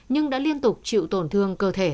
nhưng đã liên tục chịu tổn thương cơ thể